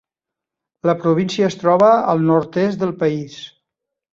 La província es troba al nord-est del país.